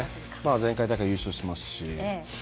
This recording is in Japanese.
前回大会、優勝してますし。